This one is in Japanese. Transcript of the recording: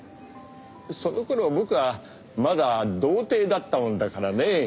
その頃僕はまだ童貞だったもんだからね。